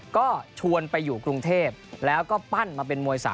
ก็ชวนไปอยู่กรุงเทพแล้วก็ปั้นมาเป็นมวย๓